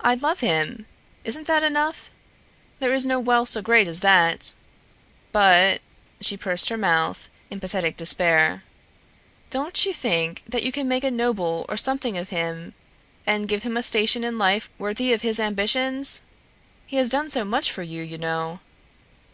"I love him. Isn't that enough? There is no wealth so great as that. But," and she pursed her mouth in pathetic despair, "don't you think that you can make a noble or something of him and give him a station in life worthy of his ambitions? He has done so much for you, you know."